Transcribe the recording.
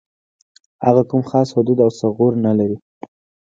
هغه کوم خاص حدود او ثغور نه لري.